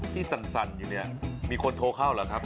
สั่นอยู่เนี่ยมีคนโทรเข้าเหรอครับ